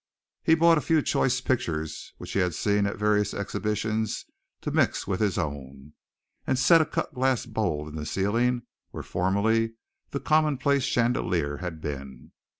He bought a few choice pictures which he had seen at various exhibitions to mix with his own, and set a cut glass bowl in the ceiling where formerly the commonplace chandelier had been.